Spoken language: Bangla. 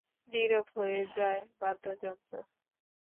নীরব হয়ে যায় বাদ্যযন্ত্র।